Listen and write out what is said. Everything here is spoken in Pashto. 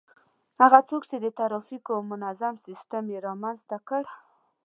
هغه څوک چي د ترافیکو منظم سیستم يې رامنځته کړ